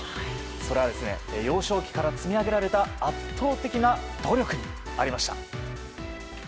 それは幼少期から積み上げられた圧倒的な努力にありました。